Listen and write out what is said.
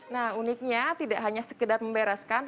nah uniknya tidak hanya sekedar membereskan